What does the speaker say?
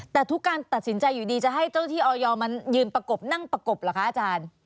แต่ทุกการตัดสินใจอยู่ดีจะให้เจ้าที่ออยมันยืนประกบนั่งประกบเหรอคะอาจารย์